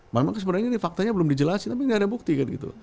memang sebenarnya ini faktanya belum dijelasi tapi nggak ada bukti kan gitu